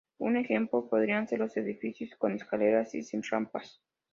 Un ejemplo podrían ser los edificios con escaleras y sin rampas.